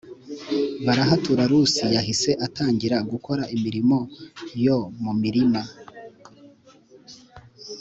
barahatura Rusi yahise atangira gukora imirimo yo mu mirima